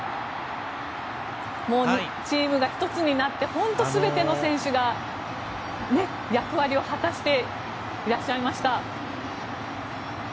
もうチームが一つになって本当に全ての選手が、役割を果たしていらっしゃいました。